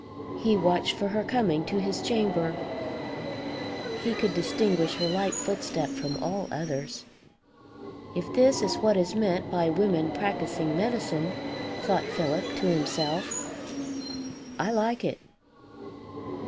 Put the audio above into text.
He watched for her coming to his chamber; he could distinguish her light footstep from all others. If this is what is meant by women practicing medicine, thought Philip to himself, I like it.